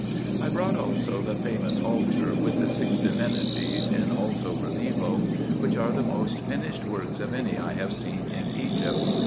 I brought also the famous altar, with the six divinities, in alto relievo, which are the most finished works of any I have seen in Egypt.